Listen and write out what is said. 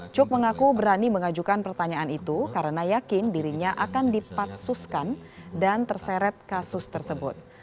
cuk mengaku berani mengajukan pertanyaan itu karena yakin dirinya akan dipatsuskan dan terseret kasus tersebut